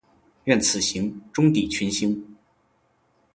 愿此行，终抵群星。